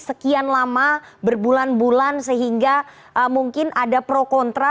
sekian lama berbulan bulan sehingga mungkin ada pro kontra